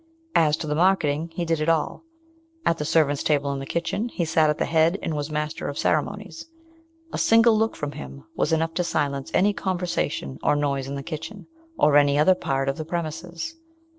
As to the marketing, he did it all. At the servants' table in the kitchen, he sat at the head, and was master of ceremonies. A single look from him was enough to silence any conversation or noise in the kitchen, or any other part of the premises.